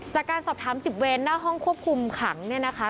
จากการสอบถาม๑๐เวนหน้าห้องควบคุมขังเนี่ยนะคะ